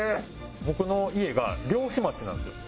僕の家が漁師町なんですよ。